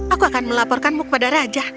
aku akan melaporkanmu kepada raja